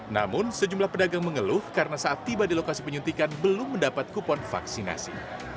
namun sejumlah pedagang mengeluh karena saat tiba di lokasi penyuntikan belum mendapat kupon vaksinasi